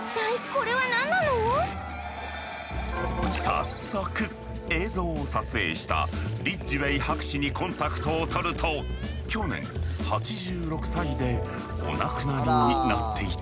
早速映像を撮影したリッジウェイ博士にコンタクトを取ると去年８６歳でお亡くなりになっていた。